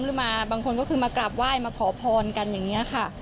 หรือมาบางคนก็คือมากราบไหว้มาขอพรกันอย่างนี้ค่ะ